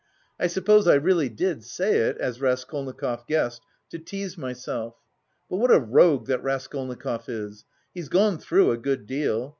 "I suppose I really did say it, as Raskolnikov guessed, to tease myself. But what a rogue that Raskolnikov is! He's gone through a good deal.